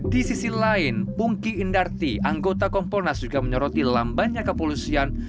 di sisi lain pungki indarti anggota komponas juga menyoroti lambangnya kepolusian